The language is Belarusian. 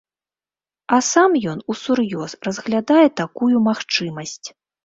А сам ён усур'ёз разглядае такую магчымасць.